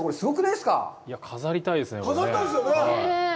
いや、飾りたいですね。